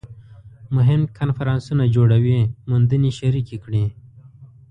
مهم کنفرانسونه جوړوي موندنې شریکې کړي